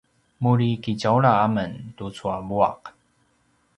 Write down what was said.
muri kitjaula amen tucu a vuaq